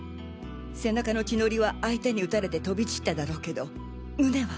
背中の血ノリは相手に撃たれて飛び散っただろうけど胸は？